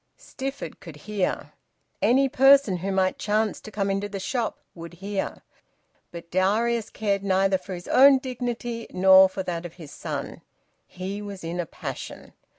Stifford could hear. Any person who might chance to come into the shop would hear. But Darius cared neither for his own dignity nor for that of his son. He was in a passion.